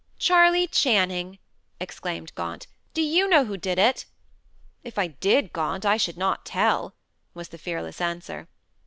"Charley Channing," exclaimed Gaunt, "do you know who did it?" "If I did, Gaunt, I should not tell," was the fearless answer.